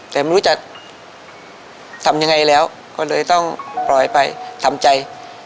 แต่ไม่รู้จะทำยังไงแล้วก็เลยต้องปล่อยไปทำใจ